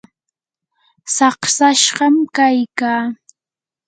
saqsashqam kaykaa.